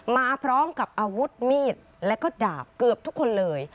มาพร้อมกับอาวุธมีดแล้วก็ดาบเกือบทุกคนเลย